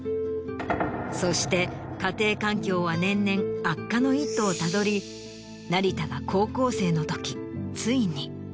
そして家庭環境は年々悪化の一途をたどり成田が高校生のときついに。